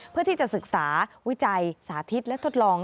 เพื่อที่จะศึกษาวิจัยสาธิตและทดลอง